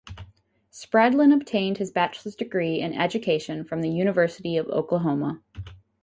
Spradlin obtained his bachelor's degree in Education from the University of Oklahoma.